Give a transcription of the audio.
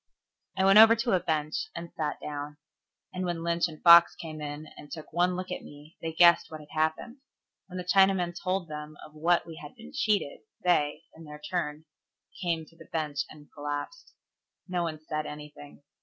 I went over to a bench, and sat down; and when Lynch and Fox came in and took one look at me, they guessed what had happened. When the Chinaman told them of what we had been cheated, they, in their turn, came to the bench, and collapsed. No one said anything.